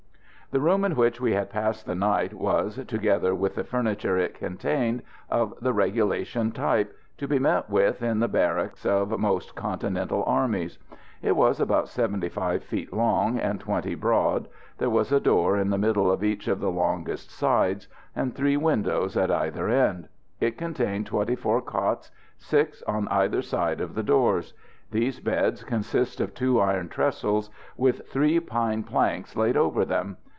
The room in which we had passed the night was, together with the furniture it contained, of the regulation type, to be met with in the barracks of most Continental armies. It was about 75 feet long, and 20 broad; there was a door in the middle of each of the longest sides, and three windows at either end. It contained twenty four cots, six on either side of the doors. These beds consist of two iron trestles, with three pine planks laid over them.